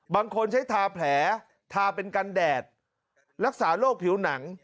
บางคนใช้ทาแผลทาเป็นกันแดดรักษาโรคผิวหนัง